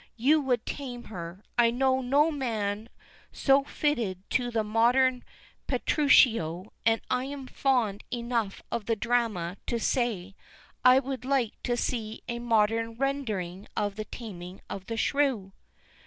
You would tame her. I know no man so fitted to be the modern Petruchio, and I am fond enough of the drama to say I would like to see a modern rendering of 'The Taming of the Shrew."